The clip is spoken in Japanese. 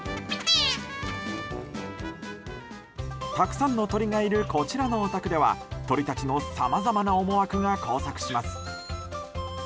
たくさんの鳥がいるこちらのお宅では鳥たちのさまざまな思惑が交錯します。